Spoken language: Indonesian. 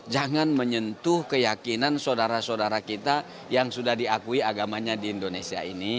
jangan menyentuh keyakinan saudara saudara kita yang sudah diakui agamanya di indonesia ini